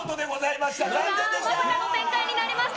まさかの展開になりました。